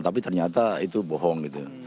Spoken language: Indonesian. tapi ternyata itu bohong gitu